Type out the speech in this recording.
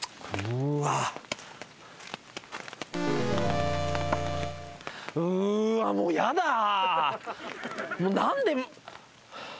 うわっもうやだ！何で。